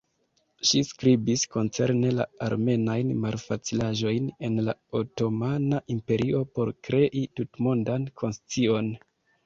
Ŝi skribis koncerne la armenajn malfacilaĵojn en la Otomana Imperio por krei tutmondan konscion.